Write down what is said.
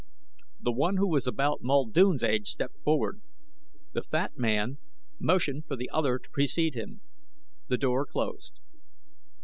The one who was about Muldoon's age stepped forward. The fat man motioned for the other to precede him. The door closed.